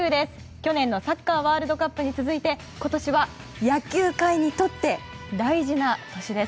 去年のサッカーワールドカップに続いて今年は野球界にとって大事な年です。